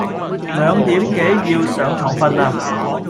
兩點幾要上床瞓啦